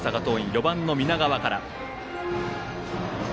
４番の南川から。